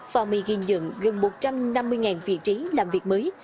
và mì ghi nhận gần một trăm năm mươi vị trí làm việc mới